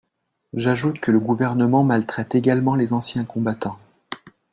J’ajoute que le Gouvernement maltraite également les anciens combattants.